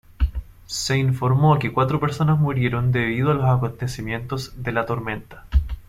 Se informó que cuatro personas murieron debido a los acontecimientos de la tormenta.